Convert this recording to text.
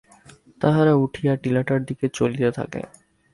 তাহারা উঠিয়া টিলাটার দিকে চলিতে থাকে।